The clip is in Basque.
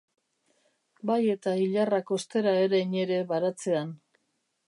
Bai eta ilarrak ostera erein ere baratzean.